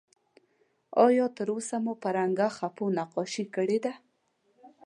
آیا تر اوسه مو په رنګه خپو نقاشي کړې ده؟